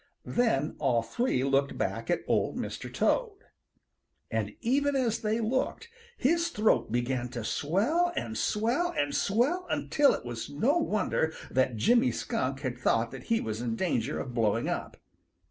Then all three looked back at Old Mr. Toad. And even as they looked, his throat began to swell and swell and swell, until it was no wonder that Jimmy Skunk had thought that he was in danger of blowing up.